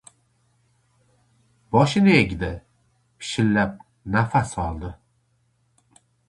Boshini egdi. Pishillab nafas oldi.